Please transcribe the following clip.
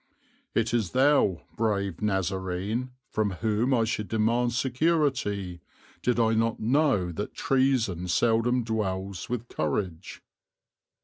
"It is thou, brave Nazarene, from whom I should demand security, did I not know that treason seldom dwells with courage."